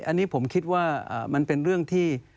อันนี้ผมคิดว่ามันเป็นเรื่องที่